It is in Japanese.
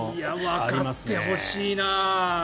わかってほしいなあ。